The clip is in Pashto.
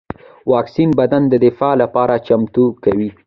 واکسین بدن د دفاع لپاره چمتو کوي